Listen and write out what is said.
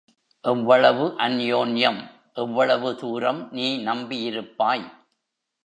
எவ்வளவு அன்யோன்யம், எவ்வளவு தூரம் நீ நம்பியிருப்பாய்?